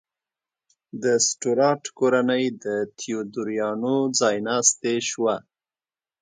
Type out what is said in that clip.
د سټورات کورنۍ د تیودوریانو ځایناستې شوه.